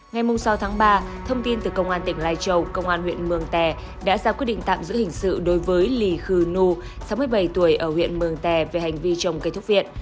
ngày sáu tháng ba thông tin từ công an tỉnh lai châu công an huyện mường tè đã ra quyết định tạm giữ hình sự đối với lì khừ nu sáu mươi bảy tuổi ở huyện mường tè về hành vi trồng cây thúc viện